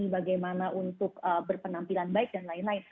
bagaimana untuk berpenampilan baik dan lain lain